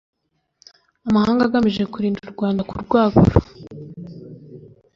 amahanga agamije kurinda u Rwanda kurwagura